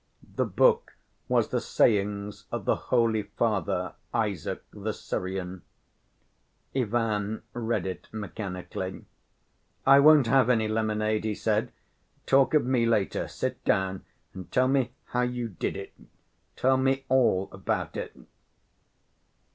The book was The Sayings of the Holy Father Isaac the Syrian. Ivan read it mechanically. "I won't have any lemonade," he said. "Talk of me later. Sit down and tell me how you did it. Tell me all about it."